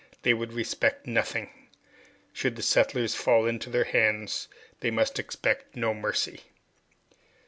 They would respect nothing. Should the settlers fall into their hands, they must expect no mercy!